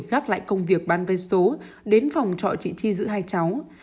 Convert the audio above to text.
gác lại công việc bán vé số đến phòng trọ chị chi giữ hai cháu